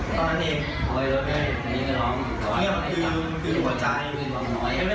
ตอนนั้นเองเนี่ยมันคือหัวใจไม่เป็นไร